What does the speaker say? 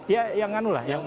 ya yang anu lah